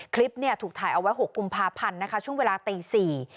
คลิปนี้ถูกถ่ายเอาไว้๖กุมภาพันธ์ช่วงเวลาตี๔